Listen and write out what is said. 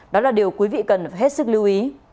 đó là điều quý vị cần phải hết sức lưu ý